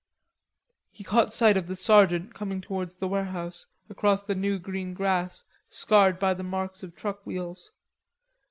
He caught sight of the sergeant coming towards the warehouse, across the new green grass, scarred by the marks of truck wheels.